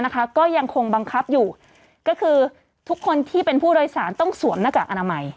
ก็ยังคงบังคับอยู่ก็คือทุกคนที่เป็นผู้โดยสารต้องสวมหน้ากากอนามัย